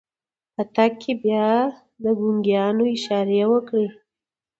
په تګ کې يې بيا د ګونګيانو اشارې وکړې.